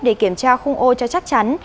để kiểm tra khung ô cho chắc chắn